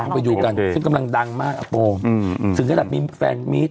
เนอะอ่าไปอยู่กันซึ่งกำลังดังมากอ่ะโปรอืมอืมถึงกระดับมีแฟนมีด